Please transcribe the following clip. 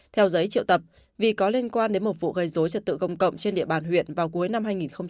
theo giấy triệu tập vì có liên quan đến một vụ gây dối trật tự công cộng trên địa bàn huyện vào cuối năm hai nghìn một mươi tám